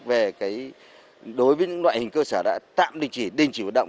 về đối với những loại hình cơ sở đã tạm đình chỉ đình chỉ hoạt động